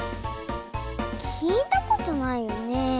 きいたことないよねえ？